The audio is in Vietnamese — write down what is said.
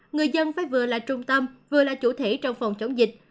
người dân phải vừa là trung tâm vừa là chủ thể trong phòng chống dịch